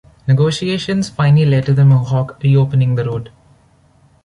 Negotiations finally led to the Mohawk re-opening the road.